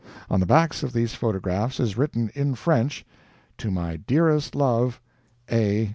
On the backs of these photographs is written, in French: "To my dearest love, "A.